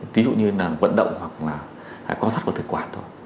thí dụ như là vận động hoặc là có thất của thực quản thôi